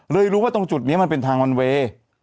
รู้ว่าตรงจุดนี้มันเป็นทางวันเวย์